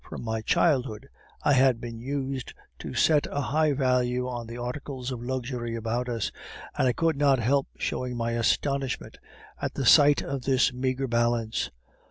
From my childhood I had been used to set a high value on the articles of luxury about us, and I could not help showing my astonishment at the sight of this meagre balance.